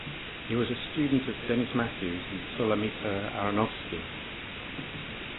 He was a student of Denis Matthews and Sulamita Aronovsky.